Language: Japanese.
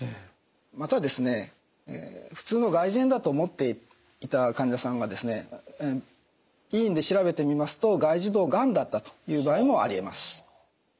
また普通の外耳炎だと思っていた患者さんが医院で調べてみますと外耳道がんだったという場合もありえます。